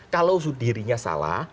kalau dirinya salah